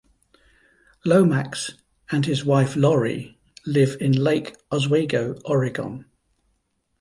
Lomax and his wife Laurie live in Lake Oswego, Oregon.